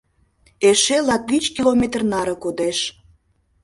«Эше латвич километр наре кодеш».